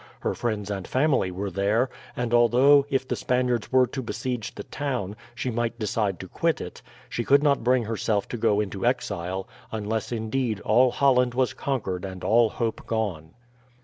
Her friends and family were there; and although, if the Spaniards were to besiege the town, she might decide to quit it, she could not bring herself to go into exile, unless indeed all Holland was conquered and all hope gone.